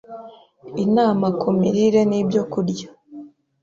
INAMA KU MIRIRE N’IBYOKURYA